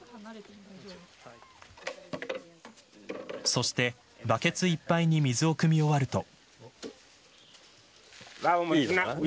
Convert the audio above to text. そしてバケツいっぱいに水をくみ終わると。